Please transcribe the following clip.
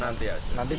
nantinya kapan masuk